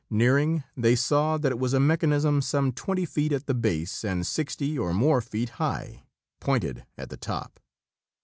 Nearing, they saw that it was a mechanism some twenty feet at the base and sixty or more feet high, pointed at the top.